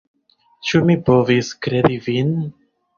Ĉu mi povis kredi vin?